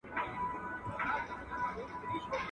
د کتاب لوستل د انسان د پوهې بنسټ قوي کوي او باور زياتوي !.